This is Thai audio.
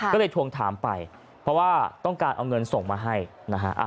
ก็เลยทวงถามไปเพราะว่าต้องการเอาเงินส่งมาให้นะฮะ